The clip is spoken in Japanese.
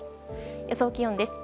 予想気温です。